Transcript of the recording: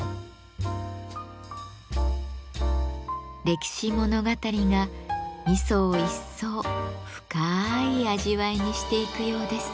歴史物語が味噌を一層深い味わいにしていくようです。